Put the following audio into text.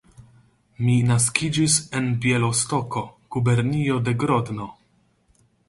Mi naskiĝis en Bjelostoko, gubernio de Grodno.